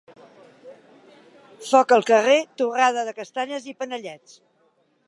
Foc al carrer, torrada de castanyes i panellets.